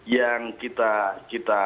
yang kita kita